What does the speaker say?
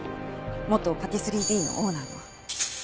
元パティスリーＤのオーナーの。